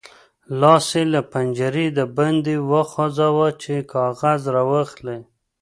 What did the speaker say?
لاس یې له پنجرې د باندې وغځاوو چې کاغذ راواخلي.